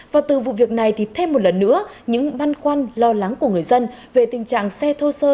và từ vụ việc này thì thêm một lần nữa những băn khoăn lo lắng của người dân về tình trạng xe thô sơ